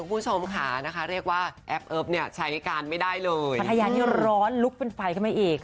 ภรรยานที่ร้อนลุกเป็นไฟขึ้นมาอีก